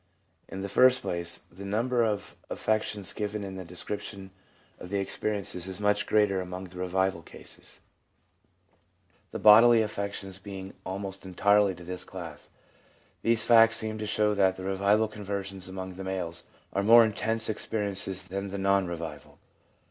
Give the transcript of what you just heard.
In the first place, the number of affections given in the description of the experiences is much greater among the revival cases. The bodily 6S THE PSYCHOLOGY OF RELIGION affections belong almost entirely to this class. These facts seem to show that the revival conversions among the males are far more intense experiences than the non revival.